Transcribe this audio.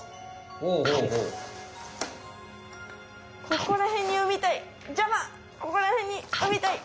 ここらへんに産みたい。